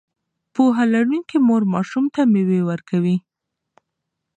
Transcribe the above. پوهه لرونکې مور ماشوم ته مېوه ورکوي.